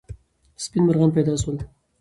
سپین مرغان پیدا سول.